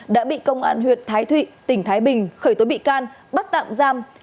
đã bị công an huyệt thái thụy tỉnh thái bình khởi tối bị can bắt tạm giam